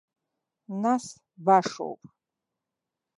Нас башоуп.